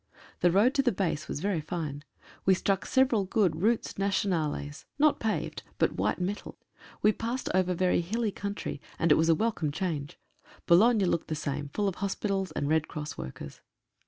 The road to the base was very fine. We struck several good "routes nationales," not 135 VISIT TO THE GRAND FLEET. paved, but white metal. We passed over very hilly country, and it was a welcome change. Boulogne looked the same — full of hospitals and Red Cross workers.